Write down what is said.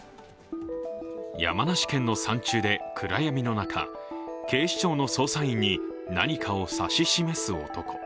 山梨県の山中で暗闇の中、警視庁の捜査員に何かを指し示す男。